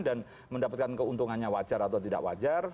dan mendapatkan keuntungannya wajar atau tidak wajar